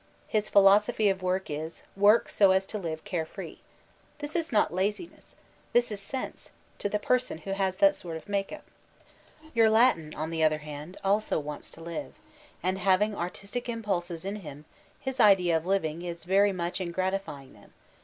His philosophy of work is, Work so as to live care free. This is not laziness ; this is sense — ^to the person who has that sort of make up. Your Latin, on the other hand, also wants to live ; and having artistic impulses in him, his idea of living b very much in gratifying them.